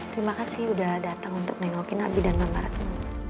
terima kasih udah datang untuk nengokin abi dan mam retno